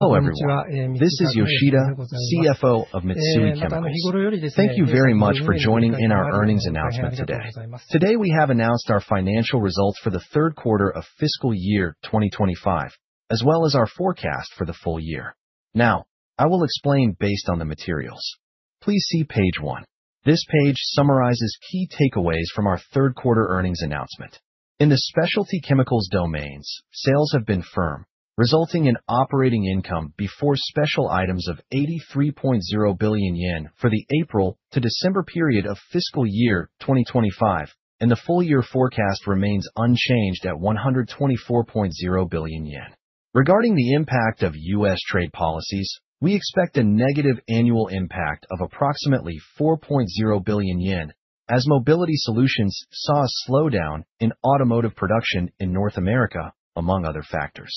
Hello, everyone. This is Yoshida, CFO of Mitsui Chemicals. Thank you very much for joining in our earnings announcement today. Today, we have announced our financial results for the third quarter of fiscal year 2025, as well as our forecast for the full year. Now, I will explain based on the materials. Please see page 1. This page summarizes key takeaways from our third quarter earnings announcement. In the Specialty Chemicals Domains, sales have been firm, resulting in operating income before special items of 83.0 billion yen for the April to December period of fiscal year 2025, and the full-year forecast remains unchanged at 124.0 billion yen. Regarding the impact of U.S. trade policies, we expect a negative annual impact of approximately 4.0 billion yen, as Mobility Solutions saw a slowdown in automotive production in North America, among other factors.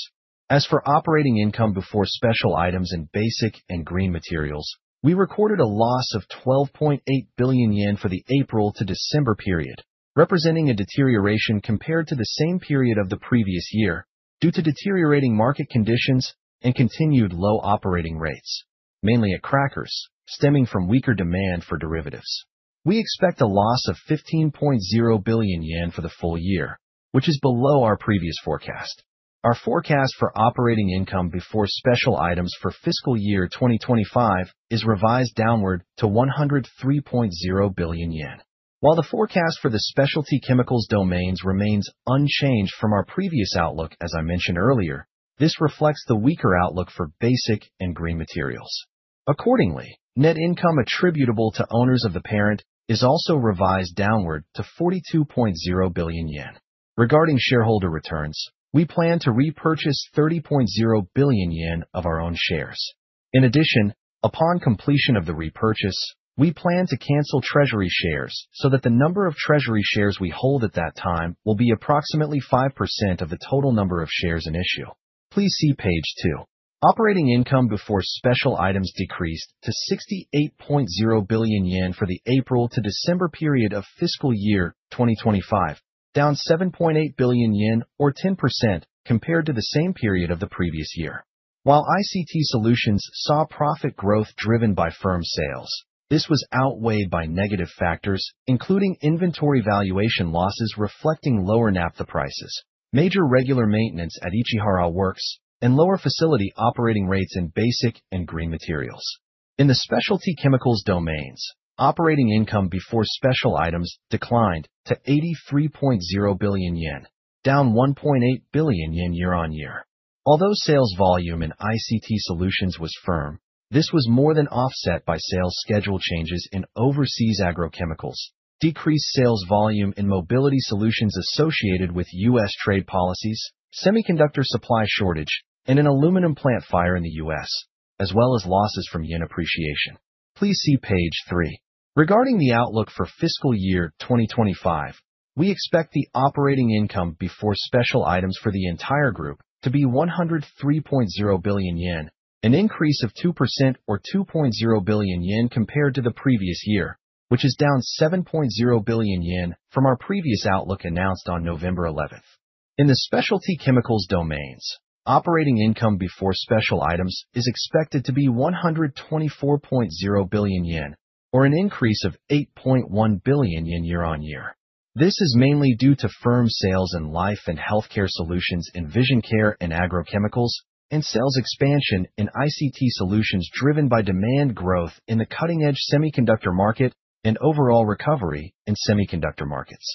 As for operating income before special items in Basic & Green Materials, we recorded a loss of 12.8 billion yen for the April to December period, representing a deterioration compared to the same period of the previous year due to deteriorating market conditions and continued low operating rates, mainly at crackers, stemming from weaker demand for derivatives. We expect a loss of 15.0 billion yen for the full year, which is below our previous forecast. Our forecast for operating income before special items for fiscal year 2025 is revised downward to 103.0 billion yen. While the forecast for the Specialty Chemicals Domains remains unchanged from our previous outlook, as I mentioned earlier, this reflects the weaker outlook for Basic & Green Materials. Accordingly, net income attributable to owners of the parent is also revised downward to 42.0 billion yen. Regarding shareholder returns, we plan to repurchase 30.0 billion yen of our own shares. In addition, upon completion of the repurchase, we plan to cancel treasury shares so that the number of treasury shares we hold at that time will be approximately 5% of the total number of shares in issue. Please see page 2. Operating income before special items decreased to 68.0 billion yen for the April to December period of fiscal year 2025, down 7.8 billion yen or 10% compared to the same period of the previous year. While ICT Solutions saw profit growth driven by firm sales, this was outweighed by negative factors, including inventory valuation losses reflecting lower naphtha prices, major regular maintenance at Ichihara Works, and lower facility operating rates in Basic & Green Materials. In the Specialty Chemicals Domains, operating income before special items declined to 83.0 billion yen, down 1.8 billion yen year-on-year. Although sales volume in ICT Solutions was firm, this was more than offset by sales schedule changes in overseas agrochemicals, decreased sales volume in Mobility Solutions associated with U.S. trade policies, semiconductor supply shortage, and an aluminum plant fire in the U.S., as well as losses from yen appreciation. Please see page 3. Regarding the outlook for fiscal year 2025, we expect the operating income before special items for the entire group to be 103.0 billion yen, an increase of 2% or 2.0 billion yen compared to the previous year, which is down 7.0 billion yen from our previous outlook announced on November 11th. In the Specialty Chemicals domains, operating income before special items is expected to be 124.0 billion yen or an increase of 8.1 billion yen year-over-year. This is mainly due to firm sales in Life & Healthcare Solutions in Vision Care and agrochemicals, and sales expansion in ICT Solutions, driven by demand growth in the cutting-edge semiconductor market and overall recovery in semiconductor markets.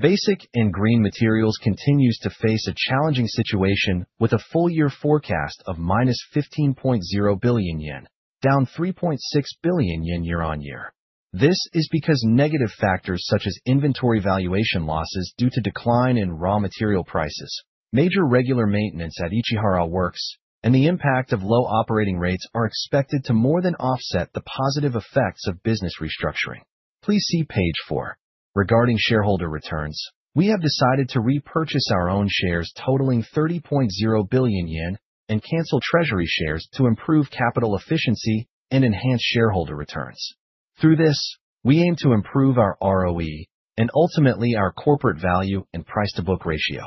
Basic & Green Materials continues to face a challenging situation, with a full-year forecast of -15.0 billion yen, down 3.6 billion yen year-over-year. This is because negative factors, such as inventory valuation losses due to decline in raw material prices, major regular maintenance at Ichihara Works, and the impact of low operating rates, are expected to more than offset the positive effects of business restructuring. Please see page four. Regarding shareholder returns, we have decided to repurchase our own shares totaling 30.0 billion yen and cancel treasury shares to improve capital efficiency and enhance shareholder returns. Through this, we aim to improve our ROE and ultimately our corporate value and price-to-book ratio.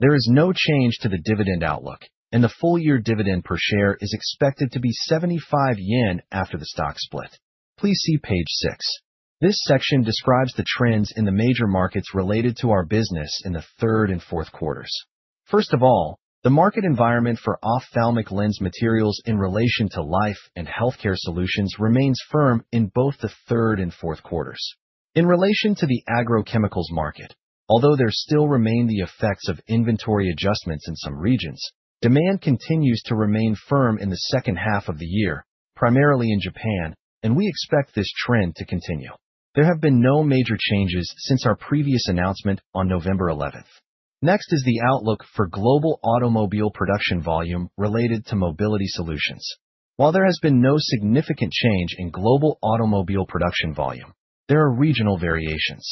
There is no change to the dividend outlook, and the full-year dividend per share is expected to be 75 yen after the stock split. Please see page 6. This section describes the trends in the major markets related to our business in the third and fourth quarters. First of all, the market environment for ophthalmic lens materials in relation to Life & Healthcare Solutions remains firm in both the third and fourth quarters. In relation to the agrochemicals market, although there still remain the effects of inventory adjustments in some regions, demand continues to remain firm in the second half of the year, primarily in Japan, and we expect this trend to continue. There have been no major changes since our previous announcement on November 11th. Next is the outlook for global automobile production volume related to Mobility Solutions. While there has been no significant change in global automobile production volume, there are regional variations.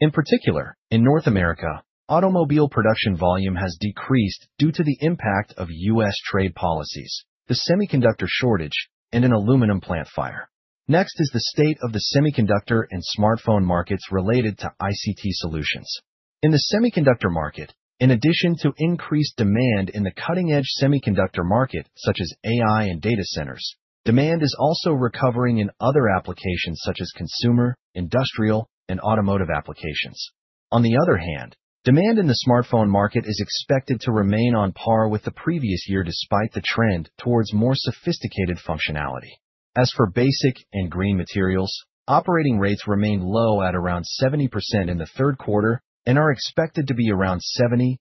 In particular, in North America, automobile production volume has decreased due to the impact of U.S. trade policies, the semiconductor shortage, and an aluminum plant fire. Next is the state of the semiconductor and smartphone markets related to ICT Solutions. In the semiconductor market, in addition to increased demand in the cutting-edge semiconductor market, such as AI and data centers, demand is also recovering in other applications, such as consumer, industrial, and automotive applications. On the other hand, demand in the smartphone market is expected to remain on par with the previous year, despite the trend towards more sophisticated functionality. As for Basic & Green Materials, operating rates remained low at around 70% in the third quarter and are expected to be around 70%-75%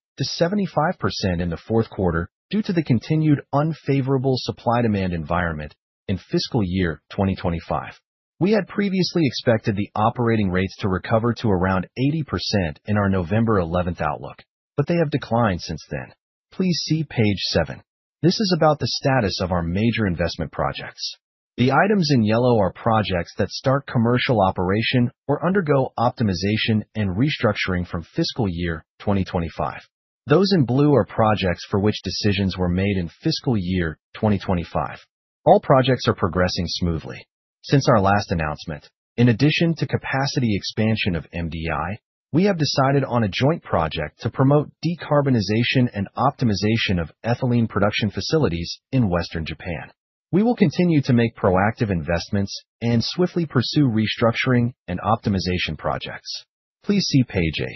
in the fourth quarter due to the continued unfavorable supply-demand environment in fiscal year 2025. We had previously expected the operating rates to recover to around 80% in our November 11 outlook, but they have declined since then. Please see page 7. This is about the status of our major investment projects. The items in yellow are projects that start commercial operation or undergo optimization and restructuring from fiscal year 2025. Those in blue are projects for which decisions were made in fiscal year 2025. All projects are progressing smoothly. Since our last announcement, in addition to capacity expansion of MDI, we have decided on a joint project to promote decarbonization and optimization of ethylene production facilities in Western Japan. We will continue to make proactive investments and swiftly pursue restructuring and optimization projects. Please see page 8.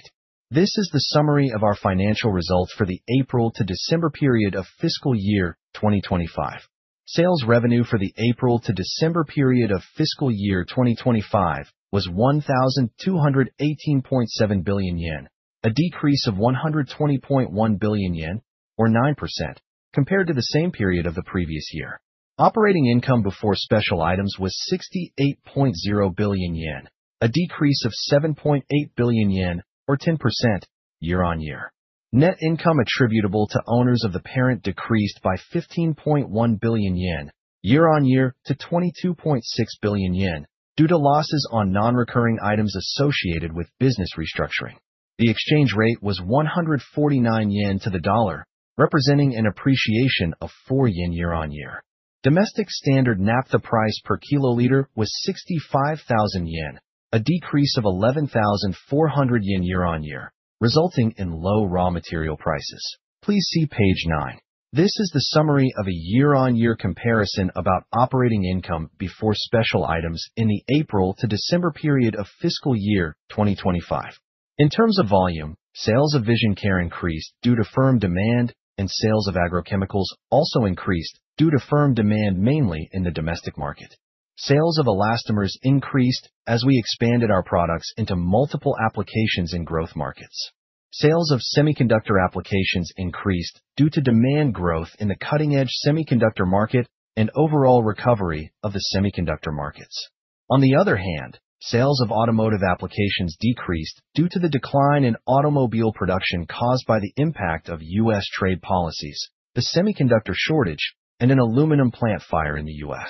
This is the summary of our financial results for the April to December period of fiscal year 2025. Sales revenue for the April to December period of fiscal year 2025 was 1,218.7 billion yen, a decrease of 120.1 billion yen, or 9%, compared to the same period of the previous year. Operating income before special items was 68.0 billion yen, a decrease of 7.8 billion yen, or 10% year-on-year. Net income attributable to owners of the parent decreased by 15.1 billion yen, year-on-year, to 22.6 billion yen, due to losses on non-recurring items associated with business restructuring. The exchange rate was 149 yen to the US dollar, representing an appreciation of 4 yen year-on-year. Domestic standard naphtha price per kiloliter was 65,000 yen, a decrease of 11,400 yen year-on-year, resulting in low raw material prices. Please see page 9. This is the summary of a year-on-year comparison about operating income before special items in the April to December period of fiscal year 2025. In terms of volume, sales of Vision Care increased due to firm demand, and sales of agrochemicals also increased due to firm demand, mainly in the domestic market. Sales of elastomers increased as we expanded our products into multiple applications in growth markets. Sales of semiconductor applications increased due to demand growth in the cutting-edge semiconductor market and overall recovery of the semiconductor markets. On the other hand, sales of automotive applications decreased due to the decline in automobile production caused by the impact of U.S. trade policies, the semiconductor shortage, and an aluminum plant fire in the U.S.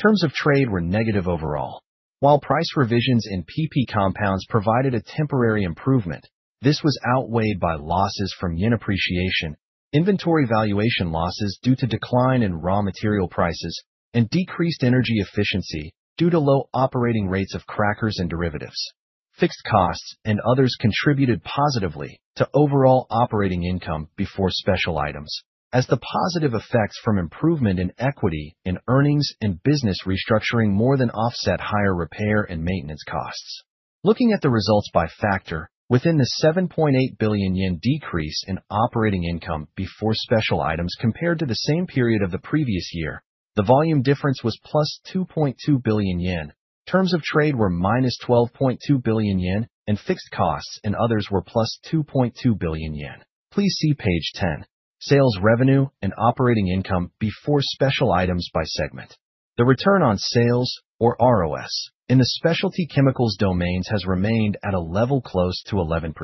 Terms of trade were negative overall. While price revisions in PP compounds provided a temporary improvement, this was outweighed by losses from yen appreciation, inventory valuation losses due to decline in raw material prices, and decreased energy efficiency due to low operating rates of crackers and derivatives. Fixed costs and others contributed positively to overall operating income before special items, as the positive effects from improvement in equity in earnings, and business restructuring more than offset higher repair and maintenance costs. Looking at the results by factor, within the 7.8 billion yen decrease in operating income before special items compared to the same period of the previous year, the volume difference was +2.2 billion yen. Terms of trade were -12.2 billion yen, and fixed costs and others were +2.2 billion yen. Please see page 10. Sales revenue and operating income before special items by segment. The return on sales, or ROS, in the Specialty Chemicals Domains has remained at a level close to 11%.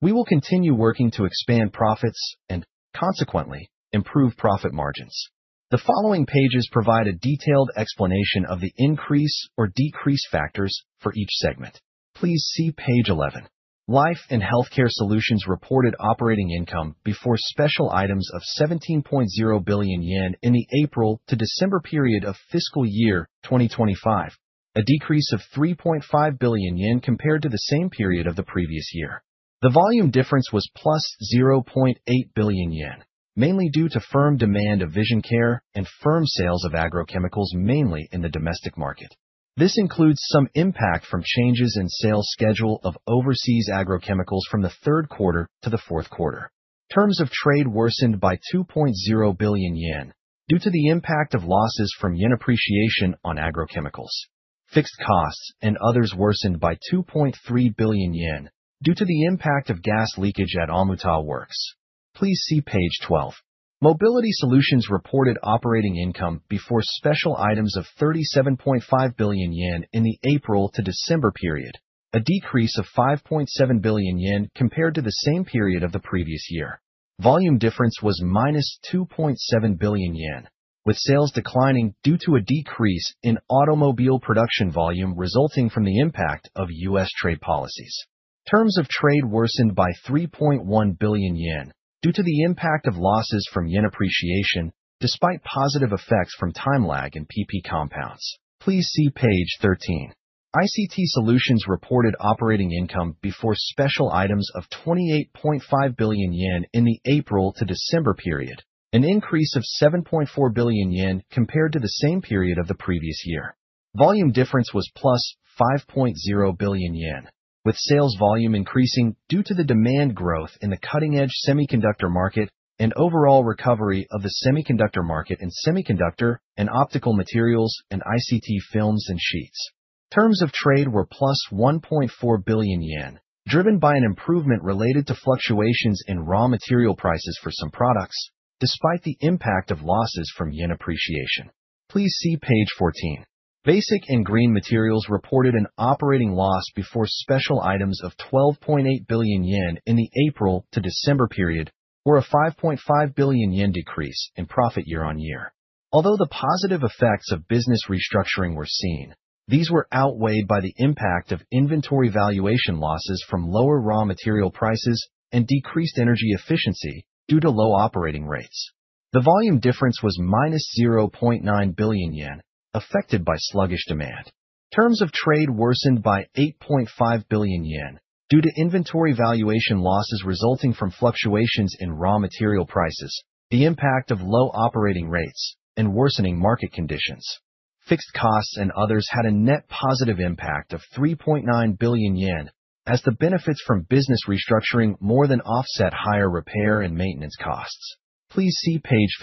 We will continue working to expand profits and, consequently, improve profit margins. The following pages provide a detailed explanation of the increase or decrease factors for each segment. Please see page 11. Life & Healthcare Solutions reported operating income before special items of 17.0 billion yen in the April to December period of fiscal year 2025, a decrease of 3.5 billion yen compared to the same period of the previous year. The volume difference was plus 0.8 billion yen, mainly due to firm demand of Vision Care and firm sales of agrochemicals, mainly in the domestic market. This includes some impact from changes in sales schedule of overseas agrochemicals from the third quarter to the fourth quarter. Terms of trade worsened by 2.0 billion yen due to the impact of losses from yen appreciation on agrochemicals. Fixed costs and others worsened by 2.3 billion yen due to the impact of gas leakage at Omuta Works. Please see page 12. Mobility Solutions reported operating income before special items of 37.5 billion yen in the April to December period, a decrease of 5.7 billion yen compared to the same period of the previous year. Volume difference was -2.7 billion yen, with sales declining due to a decrease in automobile production volume resulting from the impact of U.S. trade policies.... Terms of trade worsened by 3.1 billion yen due to the impact of losses from yen appreciation, despite positive effects from time lag in PP compounds. Please see page 13. ICT Solutions reported operating income before special items of 28.5 billion yen in the April to December period, an increase of 7.4 billion yen compared to the same period of the previous year. Volume difference was +5.0 billion yen, with sales volume increasing due to the demand growth in the cutting-edge semiconductor market and overall recovery of the semiconductor market in Semiconductor and Optical Materials and ICT Films and Sheets. Terms of trade were +1.4 billion yen, driven by an improvement related to fluctuations in raw material prices for some products, despite the impact of losses from yen appreciation. Please see page 14. Basic & Green Materials reported an operating loss before special items of 12.8 billion yen in the April to December period, or a 5.5 billion yen decrease in profit year-on-year. Although the positive effects of business restructuring were seen, these were outweighed by the impact of inventory valuation losses from lower raw material prices and decreased energy efficiency due to low operating rates. The volume difference was -0.9 billion yen, affected by sluggish demand. Terms of trade worsened by 8.5 billion yen due to inventory valuation losses resulting from fluctuations in raw material prices, the impact of low operating rates, and worsening market conditions. Fixed costs and others had a net positive impact of 3.9 billion yen, as the benefits from business restructuring more than offset higher repair and maintenance costs. Please see page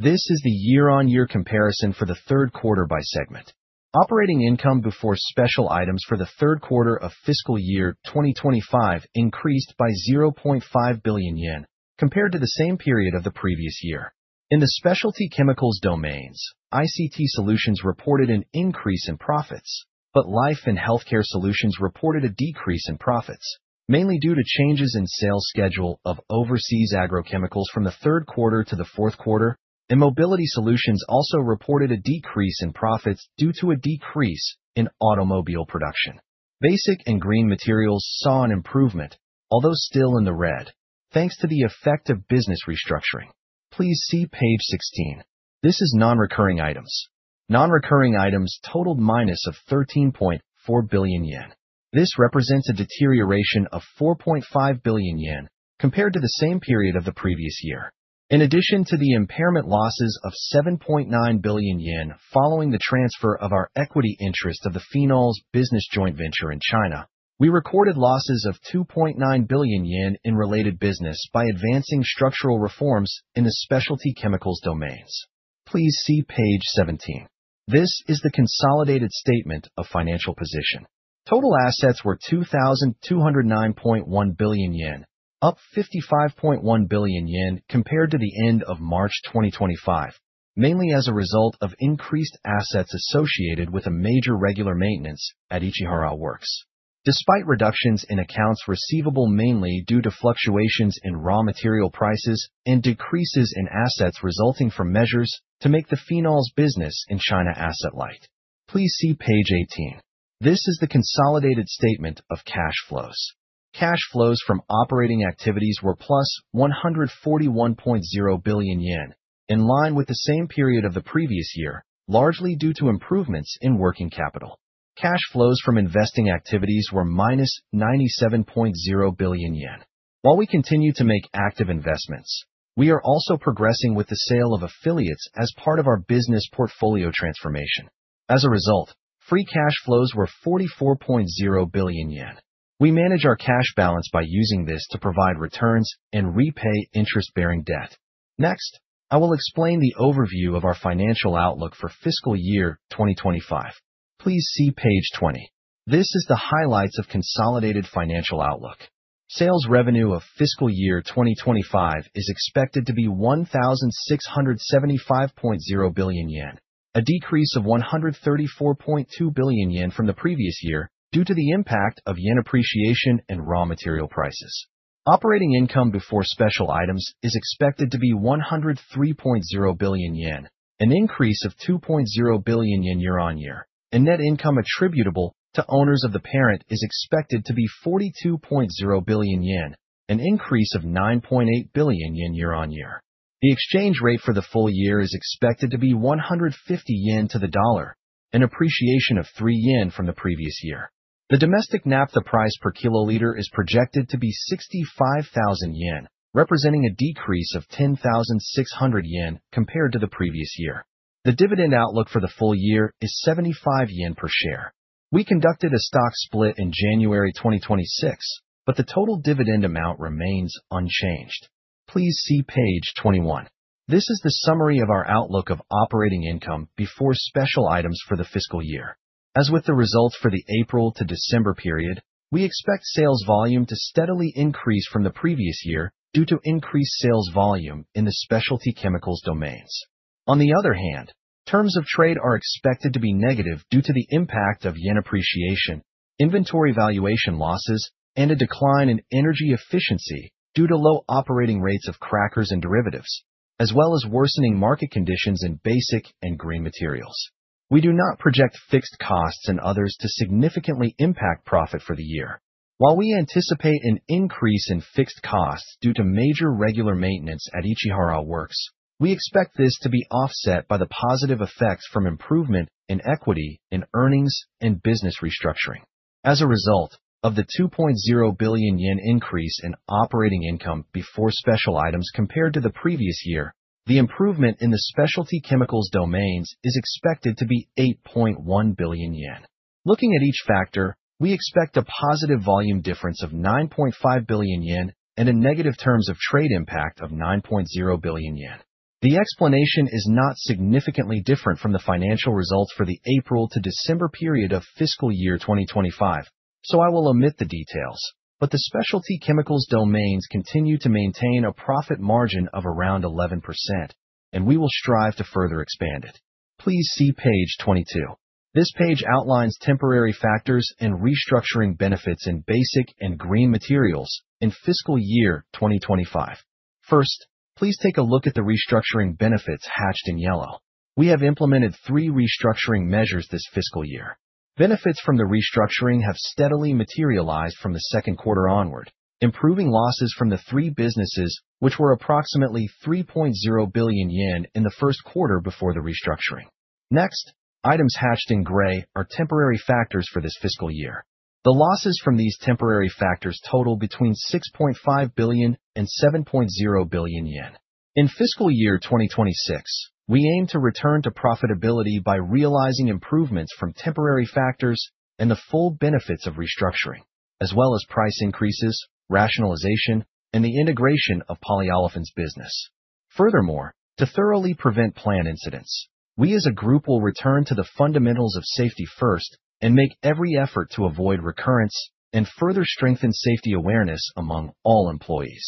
15. This is the year-on-year comparison for the third quarter by segment. Operating Income Before Special Items for the third quarter of fiscal year 2025 increased by 0.5 billion yen compared to the same period of the previous year. In the Specialty Chemicals Domains, ICT Solutions reported an increase in profits, but Life & Healthcare Solutions reported a decrease in profits, mainly due to changes in sales schedule of overseas agrochemicals from the third quarter to the fourth quarter, and Mobility Solutions also reported a decrease in profits due to a decrease in automobile production. Basic & Green Materials saw an improvement, although still in the red, thanks to the effect of business restructuring. Please see page 16. This is non-recurring items. Non-recurring items totaled -13.4 billion yen. This represents a deterioration of 4.5 billion yen compared to the same period of the previous year. In addition to the impairment losses of 7.9 billion yen following the transfer of our equity interest of the Phenol business joint venture in China, we recorded losses of 2.9 billion yen in related business by advancing structural reforms in the Specialty Chemicals domains. Please see page 17. This is the consolidated statement of financial position. Total assets were 2,209.1 billion yen, up 55.1 billion yen compared to the end of March 2025, mainly as a result of increased assets associated with a major regular maintenance at Ichihara Works. Despite reductions in accounts receivable, mainly due to fluctuations in raw material prices and decreases in assets resulting from measures to make the Phenol business in China asset light. Please see page 18. This is the consolidated statement of cash flows. Cash flows from operating activities were +141.0 billion yen, in line with the same period of the previous year, largely due to improvements in working capital. Cash flows from investing activities were -97.0 billion yen. While we continue to make active investments, we are also progressing with the sale of affiliates as part of our business portfolio transformation. As a result, free cash flows were 44.0 billion yen. We manage our cash balance by using this to provide returns and repay interest-bearing debt. Next, I will explain the overview of our financial outlook for fiscal year 2025. Please see page 20. This is the highlights of consolidated financial outlook. Sales revenue of fiscal year 2025 is expected to be 1,675.0 billion yen, a decrease of 134.2 billion yen from the previous year due to the impact of yen appreciation and raw material prices. Operating income before special items is expected to be 103.0 billion yen, an increase of 2.0 billion yen year-on-year, and net income attributable to owners of the parent is expected to be 42.0 billion yen, an increase of 9.8 billion yen year-on-year. The exchange rate for the full year is expected to be 150 yen to the dollar, an appreciation of 3 yen from the previous year. The domestic naphtha price per kiloliter is projected to be 65,000 yen, representing a decrease of 10,600 yen compared to the previous year. The dividend outlook for the full year is 75 yen per share. We conducted a stock split in January 2026, but the total dividend amount remains unchanged. Please see page 21. This is the summary of our outlook of operating income before special items for the fiscal year. As with the results for the April to December period, we expect sales volume to steadily increase from the previous year due to increased sales volume in the Specialty Chemicals Domains. On the other hand, terms of trade are expected to be negative due to the impact of yen appreciation, inventory valuation losses, and a decline in energy efficiency due to low operating rates of crackers and derivatives, as well as worsening market conditions in Basic & Green Materials. We do not project fixed costs and others to significantly impact profit for the year. While we anticipate an increase in fixed costs due to major regular maintenance at Ichihara Works, we expect this to be offset by the positive effects from improvement in equity in earnings, and business restructuring. As a result of the 2.0 billion yen increase in Operating Income Before Special Items compared to the previous year, the improvement in the Specialty Chemicals Domains is expected to be 8.1 billion yen. Looking at each factor, we expect a positive volume difference of 9.5 billion yen and a negative terms of trade impact of 9.0 billion yen. The explanation is not significantly different from the financial results for the April to December period of fiscal year 2025, so I will omit the details, but the Specialty Chemicals Domains continue to maintain a profit margin of around 11%, and we will strive to further expand it. Please see page 22. This page outlines temporary factors and restructuring benefits in Basic & Green Materials in fiscal year 2025. First, please take a look at the restructuring benefits hatched in yellow. We have implemented 3 restructuring measures this fiscal year. Benefits from the restructuring have steadily materialized from the second quarter onward, improving losses from the three businesses, which were approximately 3.0 billion yen in the first quarter before the restructuring. Next, items hatched in gray are temporary factors for this fiscal year. The losses from these temporary factors total between 6.5 billion and 7.0 billion yen. In fiscal year 2026, we aim to return to profitability by realizing improvements from temporary factors and the full benefits of restructuring, as well as price increases, rationalization, and the integration of polyolefins business. Furthermore, to thoroughly prevent plant incidents, we, as a group, will return to the fundamentals of safety first and make every effort to avoid recurrence and further strengthen safety awareness among all employees.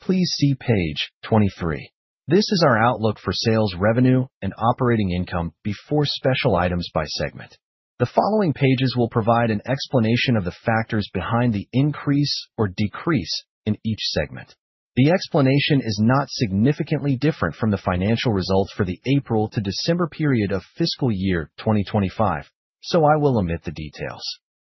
Please see page 23. This is our outlook for sales revenue and operating income before special items by segment. The following pages will provide an explanation of the factors behind the increase or decrease in each segment. The explanation is not significantly different from the financial results for the April to December period of fiscal year 2025, so I will omit the details.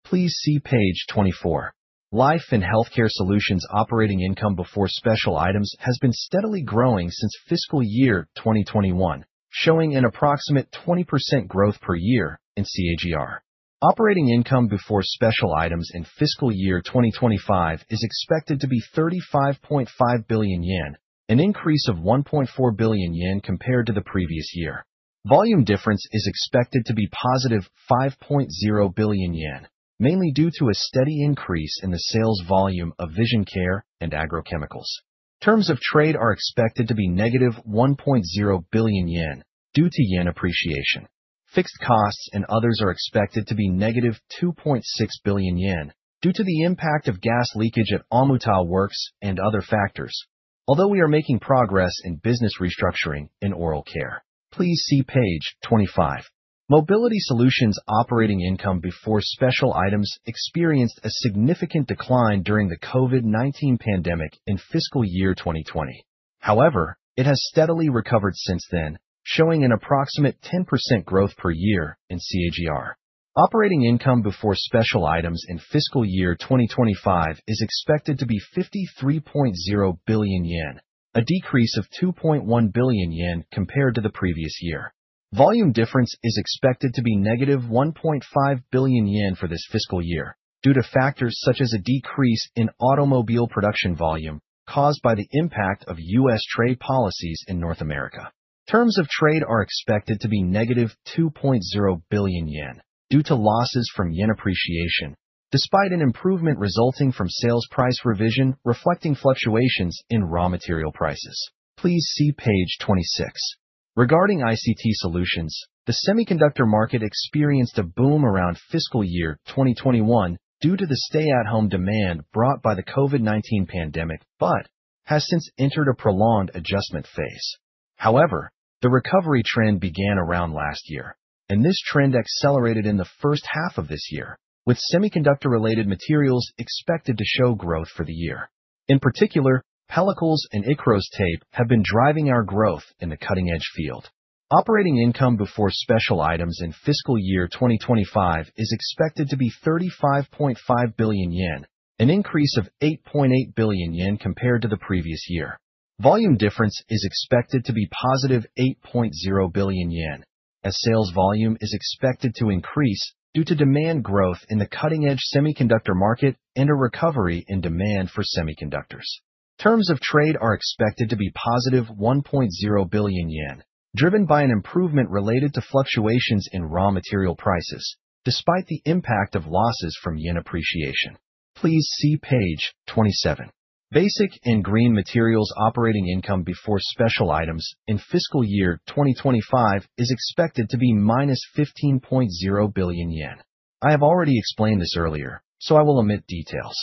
Please see page 24. Life & Healthcare Solutions Operating Income Before Special Items has been steadily growing since fiscal year 2021, showing an approximate 20% growth per year in CAGR. Operating Income Before Special Items in fiscal year 2025 is expected to be 35.5 billion yen, an increase of 1.4 billion yen compared to the previous year. Volume difference is expected to be positive 5.0 billion yen, mainly due to a steady increase in the sales volume of Vision Care and agrochemicals. Terms of trade are expected to be -1.0 billion yen due to yen appreciation. Fixed costs and others are expected to be -2.6 billion yen due to the impact of gas leakage at Omuta Works and other factors, although we are making progress in business restructuring in Oral Care. Please see page 25. Mobility Solutions Operating Income Before Special Items experienced a significant decline during the COVID-19 pandemic in fiscal year 2020. However, it has steadily recovered since then, showing an approximate 10% growth per year in CAGR. Operating Income Before Special Items in fiscal year 2025 is expected to be 53.0 billion yen, a decrease of 2.1 billion yen compared to the previous year. Volume difference is expected to be -1.5 billion yen for this fiscal year due to factors such as a decrease in automobile production volume caused by the impact of U.S. trade policies in North America. Terms of trade are expected to be -2.0 billion yen due to losses from yen appreciation, despite an improvement resulting from sales price revision, reflecting fluctuations in raw material prices. Please see page 26. Regarding ICT Solutions, the semiconductor market experienced a boom around fiscal year 2021 due to the stay-at-home demand brought by the COVID-19 pandemic, but has since entered a prolonged adjustment phase. However, the recovery trend began around last year, and this trend accelerated in the first half of this year, with semiconductor-related materials expected to show growth for the year. In particular, pellicles and ICROS Tape have been driving our growth in the cutting-edge field. Operating income before special items in fiscal year 2025 is expected to be 35.5 billion yen, an increase of 8.8 billion yen compared to the previous year. Volume difference is expected to be +8.0 billion yen, as sales volume is expected to increase due to demand growth in the cutting-edge semiconductor market and a recovery in demand for semiconductors. Terms of trade are expected to be +1.0 billion yen, driven by an improvement related to fluctuations in raw material prices despite the impact of losses from yen appreciation. Please see page 27. Basic & Green Materials operating income before special items in fiscal year 2025 is expected to be -15.0 billion yen. I have already explained this earlier, so I will omit details.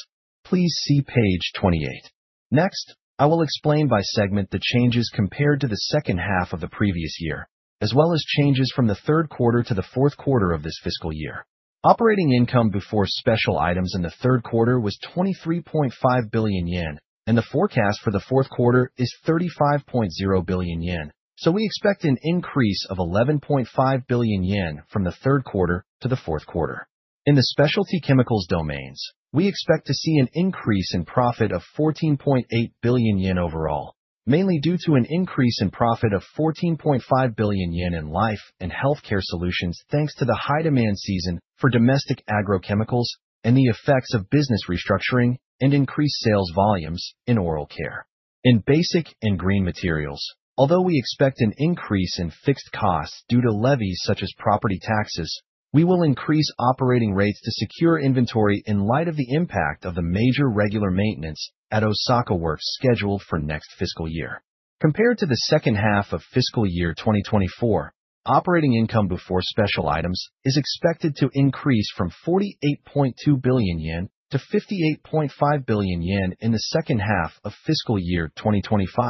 Please see page 28. Next, I will explain by segment the changes compared to the second half of the previous year, as well as changes from the third quarter to the fourth quarter of this fiscal year... Operating income before special items in the third quarter was 23.5 billion yen, and the forecast for the fourth quarter is 35.0 billion yen. So we expect an increase of 11.5 billion yen from the third quarter to the fourth quarter. In the Specialty Chemicals Domains, we expect to see an increase in profit of 14.8 billion yen overall, mainly due to an increase in profit of 14.5 billion yen in Life & Healthcare Solutions, thanks to the high-demand season for domestic agrochemicals and the effects of business restructuring and increased sales volumes in Oral Care. In Basic & Green Materials, although we expect an increase in fixed costs due to levies such as property taxes, we will increase operating rates to secure inventory in light of the impact of the major regular maintenance at Osaka Works, scheduled for next fiscal year. Compared to the second half of fiscal year 2024, operating income before special items is expected to increase from 48.2 billion yen to 58.5 billion yen in the second half of fiscal year 2025,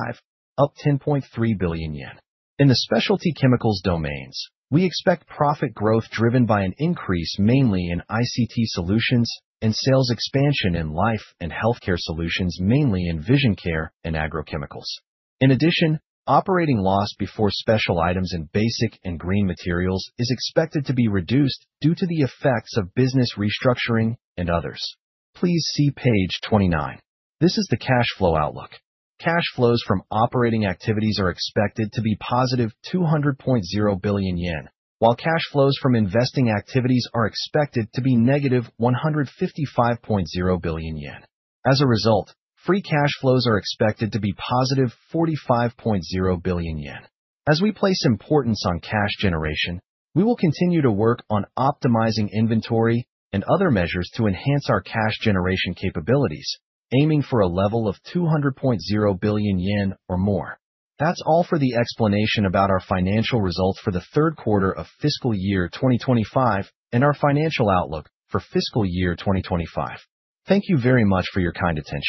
up 10.3 billion yen. In the Specialty Chemicals Domains, we expect profit growth driven by an increase, mainly in ICT Solutions and sales expansion in Life & Healthcare Solutions, mainly in Vision Care and agrochemicals. In addition, operating loss before special items in Basic & Green Materials is expected to be reduced due to the effects of business restructuring and others. Please see page 29. This is the cash flow outlook. Cash flows from operating activities are expected to be positive 200.0 billion yen, while cash flows from investing activities are expected to be negative 155.0 billion yen. As a result, free cash flows are expected to be positive 45.0 billion yen. As we place importance on cash generation, we will continue to work on optimizing inventory and other measures to enhance our cash generation capabilities, aiming for a level of 200.0 billion yen or more. That's all for the explanation about our financial results for the third quarter of fiscal year 2025 and our financial outlook for fiscal year 2025. Thank you very much for your kind attention.